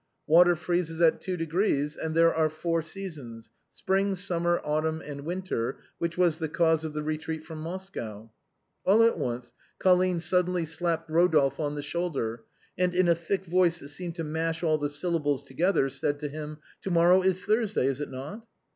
Water freezes at two degrees, and there are four seasons, spring, summer, autumn and winter^ which was the cause of the retreat from Moscow." All at once Colline suddenly slapped Eodolphe on the shoulder, and in a thick voice that seemed to mash all the syllables together, said to him —" To morrow is Thursday, is it not